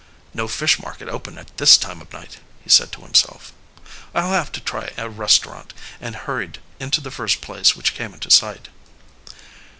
"No fish market open at this time of night," he said to himself. "I'll have to try a restaurant," and hurried into the first place which came into sight.